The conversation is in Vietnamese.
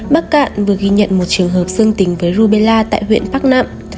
bắc cạn vừa ghi nhận một trường hợp xương tính với rubella tại huyện bắc nặng